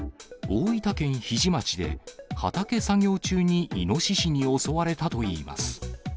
大分県日出町で、畑作業中にイノシシに襲われたといいます。